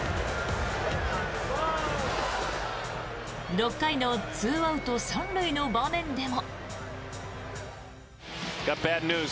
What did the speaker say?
６回の２アウト３塁の場面でも。